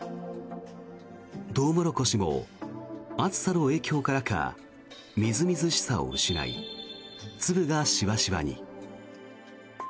トウモロコシも暑さの影響からかみずみずしさを失い粒がしわしわに。